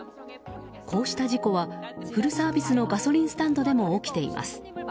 こうした事故は、フルサービスのガソリンスタンドでも起きています。